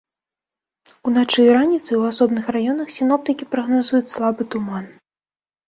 Уначы і раніцай у асобных раёнах сіноптыкі прагназуюць слабы туман.